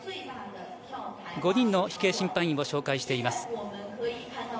５人の飛型審判員を紹介しています。